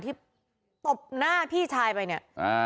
ตบหน้าพี่ชายไปเนี่ย